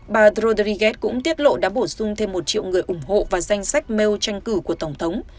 bà dro derryguez cũng tiết lộ đã bổ sung thêm một triệu người ủng hộ vào danh sách mail tranh cử của tổng thống